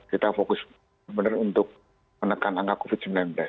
kita fokus benar untuk menekan angka covid sembilan belas